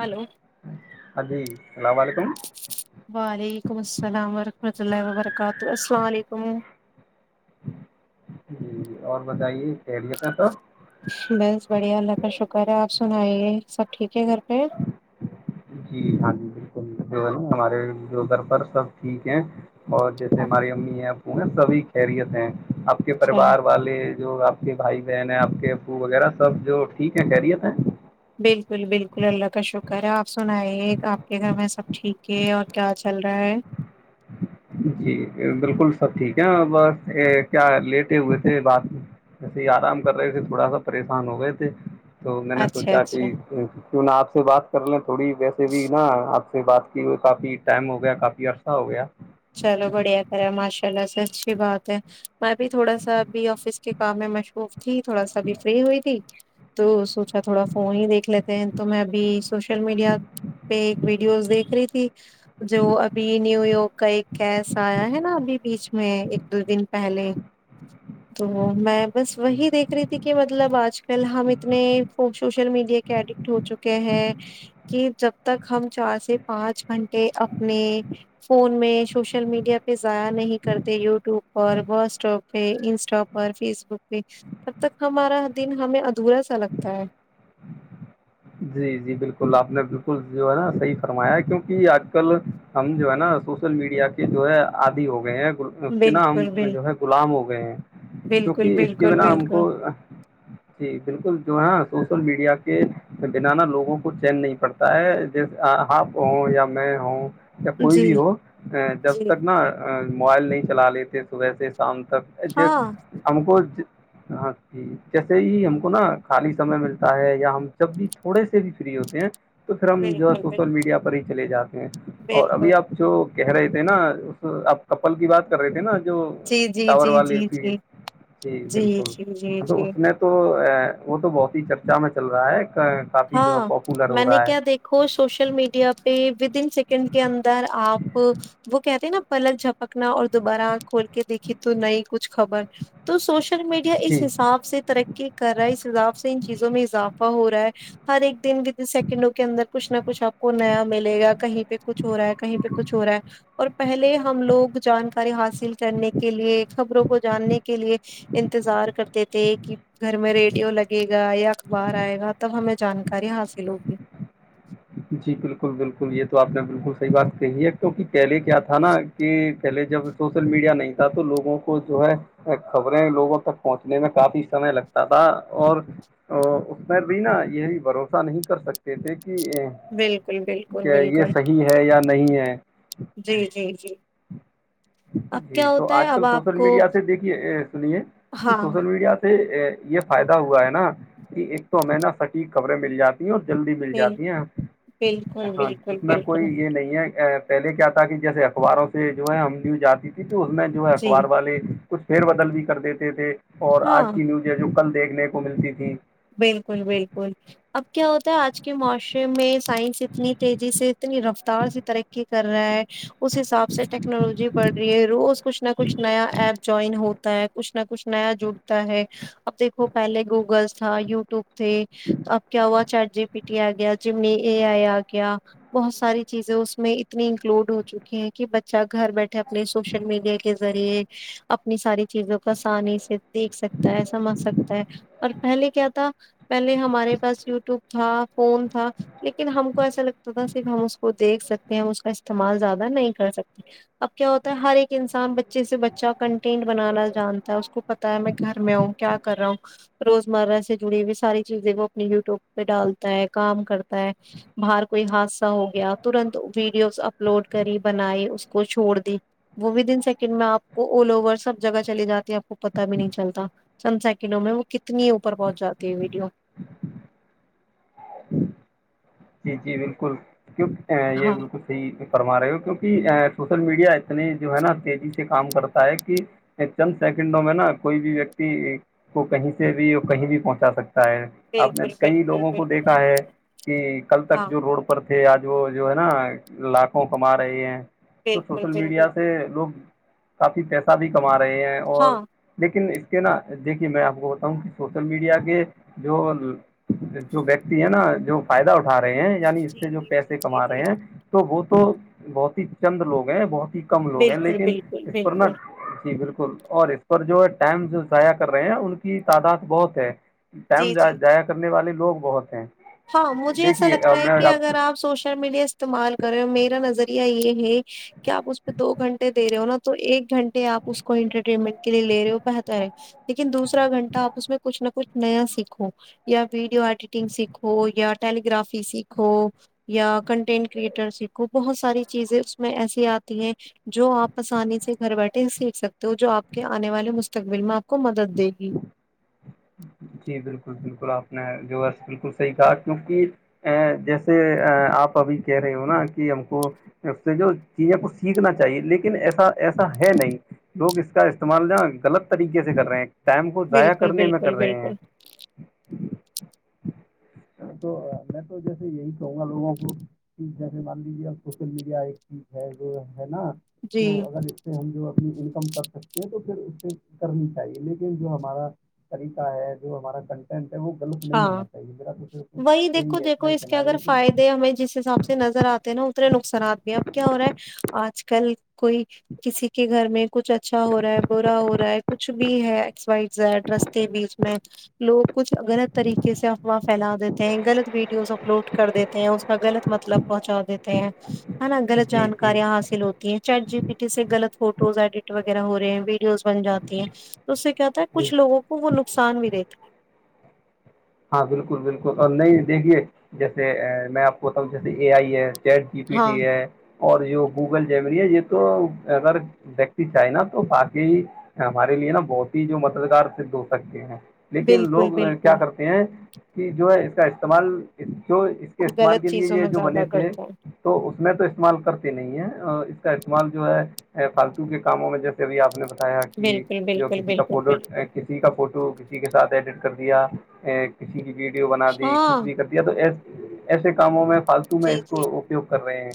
hello ہاں جی اللام و علیکم وعلیکم السلام وورحمۃ اللہ وبرکاتہ السلام علیکم جی اور بتائیے ایریت ہے تو بس بڑھیا اللہ کا شکر ہے آپ سن آئیے سب ٹھیک ہے گھر پہ جی ہاں جی بالکل جو ہے ن ہمارے جو گھر پر سب ٹھیک ہے اور جیسے ہماری امی ہیں او ہیں سبھی خریت ہیں آپ کے اچھا پریوار والے جو آپ کے بھائی بہن ہیں آپ کے او وغیرہ سب جو ٹھیک ہے خریت ہیں بالکل بالکل اللہ کا شکر ہے آپ سنائیے کہ آپ کے گھر میں سب ٹھیک ہے اور کیا چل رہا ہے جی بالکل سب ٹھیک ہے بس کیا لیٹے ہوئے تھے بات میں ایسے آرام کر رہے تھے تھوڑا سا پریشان ہو گئے تھے تو میں نے اچھا سوچا اچھا کہ کیوں نہ آپ سے بات کر لیں تھوڑی ویسے بھی نا آپ سے بات کی ہوئی کافی ٹائم ہو گیا کافی عرصے ہو گیا چلو بڑھیا کریں ماشاء اللہ سے اچھی بات ہے میں بھی تھوڑا سا ابھی آفس کے کام میں مشروف ت تھوڑا سابھی فری ہوئی تھی تو سوچا تھوڑا فون ہی دیکھ لیتے ہیں تو میں ابھی سوشل میڈیا پہ ایک ویڈیوز دیکھ رہی تھی جو ابھی نیو یارک کا ایک کیسا آیا ہے نا ابھی بیچ میں ایک دو دن پہلے ہ [inaudible] میں بس وہی دیکھ رہی تھی کہ مطلب آج کل ہم اتنے سوشل میڈیا کے ایڈک ہو چکے ہیں کہ جب تک ہم چار سے پانچ گھنٹے اپنے فون میں سوشل میڈیا پہ ضائع نہیں کرتے یوٹیوب پر واٹسٹاپ پہ انسٹا پر فیس بک پہ تب تک ہمارا دن ہمیں ادھورا سا لگتا ہے جی جی بلکل آپ نے بلکل جو ہے نا صحیح فرمایا ہے کیونک آج کل ہم جو ہے نا سوشل میڈیا کے جو ہے عادی ہو گئے ہیں اس کے نا ہم بالکل بال جو ہے غلام ہو گئے ہیں بالکل کیونکہ اس کے بالکل بنا ہم بالکل کو جی بلکل جو ہے سوشل میڈیا کے بنانا لوگوں کو چین نہیں پڑتا ہے جیسے آپ ہوں یا میں ہوں یا کوئی جی بھی ہو جب جی تک نا موبائل نہیں چلا لیتے صبح سے شام تک ج ہاں [inaudible] ہم کو ہاں جیسے ہی ہم کو نا خالی سمے ملتا ہے یا ہم جب بھی تھوڑے سے بھی فری ہوتے ہیں تو پھر ہم جو ہے بالکل سوشل بالکل میڈیا پر ہی چلے جاتے ہیں اور ابھی بالکل آپ جو کہہ رہے تھے نا اس آپ کپل کی بات کر رہی تھی نا جو جی جی ٹاور جی والی جی تھی جی تی جی بالکل جی جی تو جی اس نے تو تو وہ تو بہت ہی چرچا میں چل رہا ہے کافی جو ہے پاپولر ہو رہا ہے ہو سوشل میڈیا پہ ودن سیکنڈ کے اندر آپ وہ کہتے ہیں نا پلک جھپکنا اور دوبارہ آنکھ کھول کے دیکھی تو نئی کچھ خبر تو سوشل میڈیا جی اس حساب سے ترقی کر رہا ہے اس حساب سے ان چیزوں میں اضافہ ہو رہا ہے ہر ایک دن ود سیکنڈوں کے اندر کچھ نہ کچھ آپ کو نیا ملے گا کہیں پہ کچھ ہو رہا ہے کہیں پہ کچھ ہو رہا ہے اور پہلے ہم لوگ جانکاری حاصل کرنے کے لیے خبروں کو جاننے کے لیے انتظار کرتے تھے کہ گھر میں ریڈیو لگے گا یا اخبار آئے گا تب ہمیں جانکاری حاصل ہوگی جی بلکل بلکل یہ تو آپ نے بلکل صحیح بات کہی ہے کیونکہ کیلے کیا تھا نا کہ پہلے جب سوشل میڈیا نہیں تھا تو لوگوں کو جو ہے خبریں لوگوں تک پہنچنے میں کافی سمے لگتا تھا اور اس میں بھی نا یہی بھروسہ نہیں کر سکتے تھے کہ بلکل بلکل کہ یہ صحیح ہے یا نہیں ہے جی جی جی اب جی کیا تو ہوتا ہے آج کل اب آپ سوشل کو میڈیا سے دیکھیے سنیے کہ ہاں سوشل میڈیا سے یہ فائدہ ہوا ہے نا کہ ایک تو ہمیں نا سٹیک خبریں مل جاتی یوں جلدی مل بل جاتی ہیں بالکل ہاں بالکل اس میں کوئی بالکل یہ نہیں ہے پہلے کیا تھا کہ جیسے اخباروں سے جو ہے ہم نیوز آتی تھی تو اس میں جو ہے جی اخبار والے کچھ پھیر بدل بھی کر دیتے تھے اور ہاں آج کی نیوز ہے جو کل دیکھنے کو ملتی تھی بلکل بلکل اب کیا ہوتا ہے آج کے معاشرے میں سائنس اتنی تیزی سے اتنی رفتار سی ترقی کر رہا ہے اس حساب سے ٹیکنالوجی بڑھ رہی ہے روز کچھ نہ کچھ نیا ایپ جوائن ہو کچھ نہ کچھ نیا جڑتا ہے اب دیکھو پہلے گوگلس تھا یوٹیوب تھے تو اب کیا ہوا چار جی پی ٹی آ گیا ج میں اے آئی آ گیا بہت ساری چیزیں اس میں اتنی انکلوڈ ہو چکی ہیں کہ بچہ گھر بیٹھے اپنے سوشل میڈیا کے کے ذریعے اپنی ساری چیزوں کو آسانی سے دیکھ سکتا ہے سمجھ سکتا ہے اور پہلے کیا تھا پہلے ہمارے پاس یوٹیوب تھا فون تھا لیکن ہم کو ایسا لگتا تھا صرف ہم اس کو دیکھ سکتے ہیں ہم اس کا استعمال زیادہ نہیں کر سکتے اب کیا ہوتا ہے ہر ایک انسان بچے سے بچہ کنٹینٹ بنانا جانتا ہے اس کو پتاہ ہے میں گھر میں آوںں کیا کر رہا ہوں روزمرہ سے جڑی ہوئی ساری چیزیں وہ اپنی یوٹیوب پہ ڈالتا ہے کام کرتا ہے باہر کوئی حادثہ ہو گیا ترنت ویڈیوز اپلوڈ کری بنائی اس کو چھوڑ دی وہ ود ان سیکنڈ میں آپ کو آل اوور سب جگہ چلی جاتی آپ کو پتا بھی نہیں چلتا چند سیکنڈوں میں وہ کتنی اوپر پہنچ جاتی ہے ویڈیو جی جی بالکل کی یہ ہاں بالکل صی کرما رہے ہو کیونکہ سوشل میڈیا اتنے جو ہے نا تیزی سے کام کرتا ہے کہ چند سیکنڈوں میں نا کوئی بھی ویکتی کو کہیں سے بھی اور کہیں بھی پہنچا سکتا ہے آپ نے بالکل کئی بالکل لوگوں کو بالکل دیکھا ہے کہ کل تک ہاں جو روڈ پر تھے آج وہ جو ہے نا لاکھوں کما رہے ہیں تو بالکل سوشل میڈیا بالکل سے لوگ کافی پیسہ بھی کما رہے ہیں اور ہاں لیکن اس کے نا دیکھیے میں آپ کو بتاؤں کہ سوشل میڈیا کے جو جو ویکتی ہے نا جو فائدہ اٹھا رہے ہیں یعنی اس جی سے جو جی جی پیسے جی کما رہے جی ہیں تو وہ تو بہت ہی چند لوگ ہیں بہت ہی کم لوگ ہیں بالکل لیکن بالکل اس پر نہ بالکل جی بالکل اور اس پر جو ہے ٹائم ضائع کر رہے ہیں ان کی تعداد بہت ہے ٹائم جی جی ضائع کرنے والے لوگ بہت ہیں ہاں مجھے ایسا دیکھیے لگتا ہے میں کہ کو اگر آپ سوشل میڈیا استعمال کر ہو میرا نظریہ یہ ہے کہ آپ اس پہ دو گھنٹے د رہے ہو نا تو ایک گھنٹے آپ اس کو انٹرٹینمنٹ کے لیے لے رہے ہو بہتر ہے لیکن دوسا گھنٹہ آپ اس میں کچھ نہ کچھ نیا سیکھو یا ویڈیو ایڈیٹنگ سیکھو ہو یا ٹیلی گرافی سیکھو یا کنٹینٹ کریئٹر سیکھو بہت ساری چیزیں اس میں ایسی آتی ہیں جو آپ آسانی سے گھر بیٹھے سیکھ سکتے ہو جو آپ کے آنے والے مستقبل میں آپ کو مدد دے گی جی بالکل بالکل آپ نے جو بالکل صحیح کہا کیوںکہ ا جیسے آپ ابھی کہہ رہے ہو نا کہ ہم کو اس سے جو چیزیں کو سیکھنا چاہیے لیکن ایسا ایسا ہے نہیں لوگ اس کا استعمال نا غلط طریقے سے کر رہے ہیں ٹائم کو ضائع بالکل کرنے میں بالکل کر رہے ہیں بالکل تو میں تو جیسے یہی کہوں گا لوگوں کو جیسے مان لیجے ا سوشل میڈیا ایک چیز ہے جو ہے نا جی جو اگر ہم جو اپنی انکم کر سکتے ہیں تو پھر اس سے کرنی چاہیے لیکن جو ہمارا طریقہ ہے جو ہمارا کنٹینٹ ہے وہ غلط نہیں ہاں ہونا چاہیے میرا کچھ وہی دیکو دیکھو اس کے اگر فائدے ہمیں جس حساب سے نظر آتے نا اتنے نقصانات بھی اب کیا ہو رہا ہے آج کل کوئی کسی کے گھر میں کچھ اچھا ہو رہا ہے برا ہو رہا ہے کچھ بھی ہے و بیچ میں لوگ کچھ اگر طریقے سے افواہ پھیلا دیتے ہیں غلط ویڈیوز اپلوڈ کر دیتے ہیں اس کا غلط مطلب پہنچا دیتے ہیں ہاں گلط جی جانکارییااں ح جی سل ہو چیٹ جی پی ٹی سےغلط فوٹوز ایڈٹ وغیرہ ہو رہے ہیں ویڈیوز بن جاتی ہیں تو اس سے کیا کچھ لوگوں کو وہ نقصان بھی رہتا ہاں بالکل بالکل اور نہیں دیکھیے جیسے میں آپ کو بتاؤں جیسے اے آئی ہے چیٹ جی پی ہاں ٹی ہے اور جو گوگل جمری ہے یہ تو اگر ویکتی چاہ نا تو باقی ہمارے لیے نا بہت ہی جو مددگار سھد ہو سکتے ہیں لیکن بالکل لوگ کیا بالکل کرتے ہیں کہ جو ہے اس کا استعمال جو اس اس کے استعمال غلط کے لیے چیزوں یہ میں جو بنے زیادہ تھے کرتا ہے تو اس میں تو استعمال کرتے نہیں ہے اس کا استعمال جو ہے فالتو کے کاموں میں جیسے کبھی آپ نے بتایا کہ بالکل جو بالکل کسی کا بالکل پولوڑ بالکل کسی کسی کا فوٹو کسی کے ساتھ ایڈٹ کر دیا کسی کی ویڈیو بنا دی کچھ ہاں بھی کر یہ تو ایسے کاموں میں فالتو میں جی اس جی کو اپیوگ کر رہے ہیں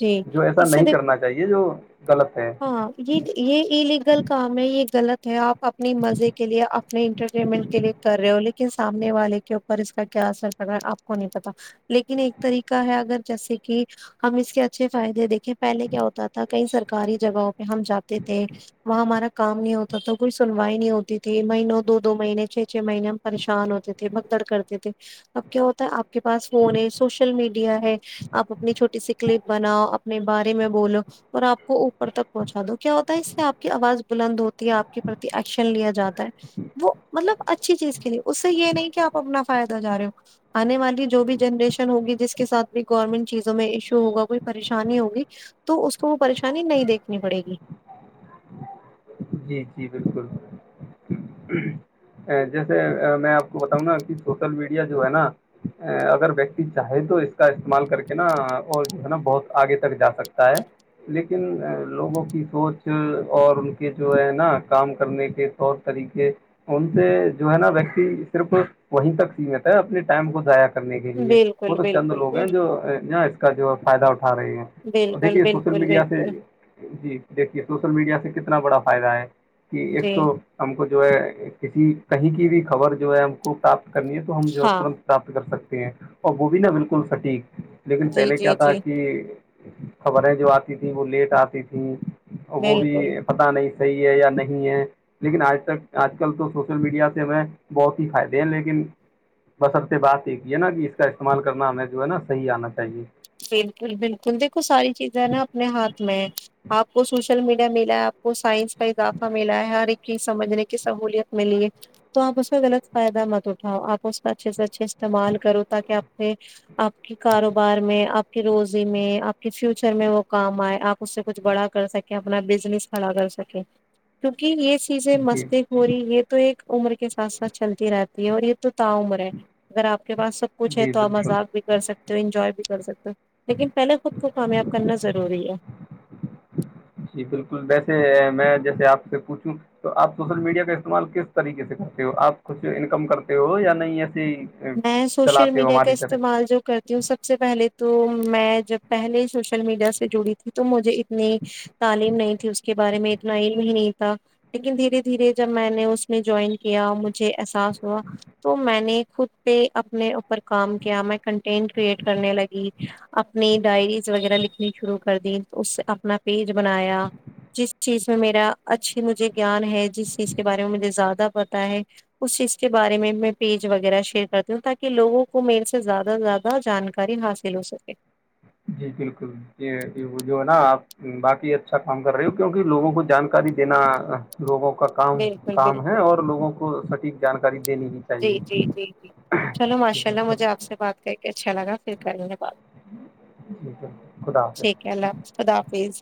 جی جو ایسا اس سے نہیں دیکھو کرنا چاہیے جو غلط ہے ہاں یہ یہ ایلیگل کام ہے یہ غلط ہے آپ اپنی مزے کے لیے اپنے انٹرٹینمنٹ کے لیے کر رہے ہو لیکن سامنے والے کے اوپر اس کا کیا اثر پڑ رہا ہے آپ کو نہیں پتا لیکن ایک طریقہ ہے اگر جیسے کہ ہم اس کے اچھے فائدے دیکھیں پہلے کیا ہوتا تھا کئی سرکاری جگہوں پہ ہم جاتے تھے وہاں ہمارا کام نہیں ہوتا تھا کوئی سنوائی نہیں ہوتی تھی مہینوں دو دو مہینے چھ چھ مہینے پریشان ہوتے تھے بھگدڑ کرتے تھے اب کیا ہوتا ہے آپ کے پاس فون ہے سوشل میڈیا ہے آپ اپنی چھوٹی سی کلپ بناؤ اپنے بارے میں بولو اور آپ کو اوپر تک پہنچا دو کیا ہوتا ہے اس سے آپ کی آواز بلند ہوتی ہے آپ کے پرتی ایکشن لیا جاتا ہے وہ مطلب اچھی چیز کے لیے اس سے یہ نہیں کہ آپ اپنا فائدہ جا رہے ہو آنے والی جو بھی جنریشن ہوگی جس کے ساتھ بھی گورنمنٹ چیزوں میں ایشو ہوگا کوئی پریشانی ہوگی تو اس کو وہ پریشانی نہیں دیکھنی پڑے گی جی جی بالکل جیسے میں آپ کو بتاؤں گا کہ سوشل میڈیا جو ہے نا اگر ویکتی چاہے تو اس کا استعمال کر کے نا وہ جو ہے نا بہت آگے تک جا سکتا ہے لیکن لوگوں کی سوچ اور ان جو ہے نا کام کرنے کے طور طریقے ان سے جو ہے نا ویکتی صرف وہیں تک سیمت ہے اپنے ٹائم کو ضائع کرنے کے لیے وہ بالکل تو چند بالکل لوگ ہیں بالکل جو ن اس کا جو ہے فائدہ اٹھا رہے ہیں بالکل دیکے سوشل بالکل میڈیا سے بالکل، جی دیکھیے سوشل میڈیا سے کتنا بڑا فائدہ ہے کہ ایک جی تو ہم کو جو ہے کسی کہیں کی بھی خبر جو ہے ہم کو پراپت کرنی ہے تو ہم جو ہے ہاں ترنت پراپت کر سکتے ہیں اور وہ بھی نا بالکل سٹیک لیکن جی پہلے کیا جی تھا جی کہ خبریں جو آتی تھیں وہ لیٹ آتی تھیں وہ بھی بالکل پتا نہیں صحیح ہے یا نہیں ہے لیکن آج تک آج کل تو سوشل میڈیا سے ہمیں بہت ہی فائدے ہیں لیکن بس اب سے بات ایک یہ ہے نا کہ اس کا استعمال کرنا ہمیں جو ہے نا صحیح آنا چاہیے بالکل بالکل دیکھو ساری چیزیں نا اپنے ہاتھ میں آپ کو سوشل میڈیا ملا ہے آپ کو سائنس کا اضافہ ملا ہے ہر ایک چیز سمجھنے کی سہوولت ملی ہے تو آپ اس کا غلط فائدہ مت اٹھاؤ آپ اس کا اچھے سے اچھے استعمال کرو تاکہ آپ نے آپ کے کاروبار میں آپ کی روزی میں آپ کے فیوچر میں وہ کام آئے آپ اس سے کچھ بڑا کر سکیں اپنا بزنس کھڑا کر سکے کیونکہ یہ چیزیں جی مستق ہو رہی یہ تو ایک عمر کے ساتھ ساتھ چلتی رہتی ہے اور یہ تو تا عمر ہے اگر آپ کے پاس سب کچھ ہے جی تو آپ بالکل مذاق بھی کر سکتے ہو انجوائے بھی کر سکتے ہو تو لیکن پہلے خود کو کامیاب کرنا ضروری ہے جی بالکل ویسے میں جیسے آپ سے پوچھوں تو آپ سوشل میڈیا کا استعمال کس طریقے سے کرتے ہو آپ کچھ انکم کرتے ہو یا نہیںئی ایسی میں سوشل میڈیا کا استعمال جو کرتی ہوں سب سے پہلے تو میں جب پہلے سوشل میڈیا سے جڑی تھی تو مجھے اتنی تعلیم نہیں تھی اس کے بارے میں اتنا علم ہی نہیں تھا لیکن دھیرے دھیرے جب میں نے اس میں جوائن کیا مجھے احساس ہوا تو میں نے خود پہ اپنے اوپر کام کیا میں کنٹینٹ کریئٹ کرنے لگی اپنی ڈائریز وغیرہ لکھنی شروع کر دی تو اس سے اپنا پیج بنایا جس چیز میں میرا اچھی مجھے گیان ہے جس چیز کے بارے میں مجھے زیادہ پتا ہے اس چیز کے بارے میں میں پیج وغیرہ شیئر کرتے ہ تاکہ لوگوں کو میرے سے زیادہ سے زیادہ جانکاری حاصل ہو سکے جی بالکل وہ جو ہے نا آپ باقی اچھا کام کر رہے ہو کیونکہ لوگوں کو جانکاری دینا لوگوں کا کام بالکل کام ہے بالکل اور لوگوں کو صحیح جانکاری دینی بھی جی جی جی جی چلو ماشاء اللہ بالکل مجھے آپ سے بات کر کے اچھا لگا پھر کریں گے بات جی بالکل خدا حافظ ٹھیک ہ ہے اللہ حافظ خدا حافظ